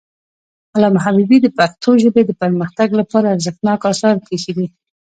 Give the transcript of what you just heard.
علامه حبيبي د پښتو ژبې د پرمختګ لپاره ارزښتناک آثار پریښي دي.